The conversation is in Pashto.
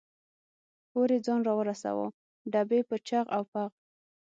پورې ځان را ورساوه، ډبې په چغ او بغ.